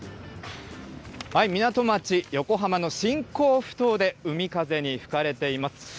港町、横浜の新港ふ頭で海風に吹かれています。